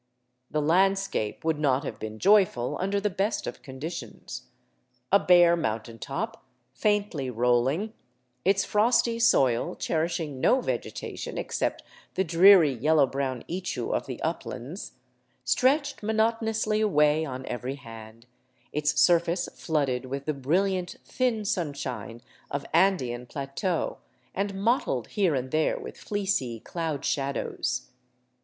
The landscape would not have been joyful under the best of conditions. A bare mountain top, faintly rolling, its frosty soil cherishing no vegetation except the dreary yellow brown ichu of the uplands, stretched monotonously away on every hand, its surface flooded with the brilliant, thin sunshine of Andean plateaux and mottled here and there with fleecy cloud shadows.